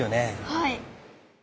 はい。